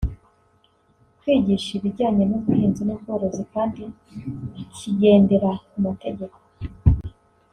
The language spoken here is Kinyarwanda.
kwigisha ibijyanye n’ubuhinzi n’ubworozi kandi kigendera ku mategeko